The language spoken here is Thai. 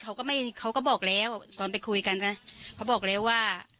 เขาก็ไม่เขาก็บอกแล้วตอนไปคุยกันนะเขาบอกแล้วว่า